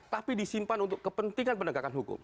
tapi disimpan untuk kepentingan penegakan hukum